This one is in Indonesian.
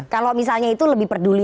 kalau misalnya itu lebih peduli